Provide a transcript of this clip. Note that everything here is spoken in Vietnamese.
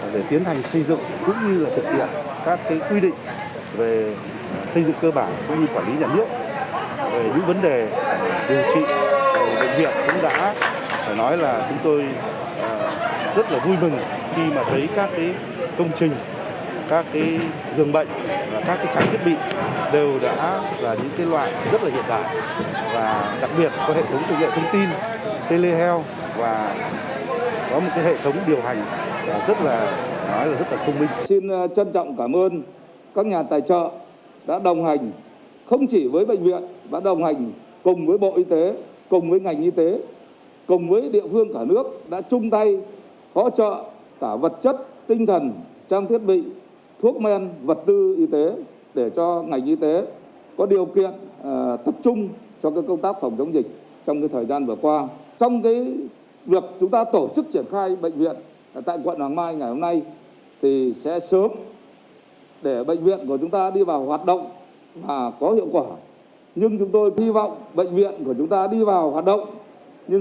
với một cuộc sự nỗ lực ngày đêm để tiến hành xây dựng cũng như là thực hiện các quy định về xây dựng cơ bản cũng như quản lý nhà nước về những vấn đề điều trị về bệnh viện chúng đã phải nói là chúng tôi rất là vui mừng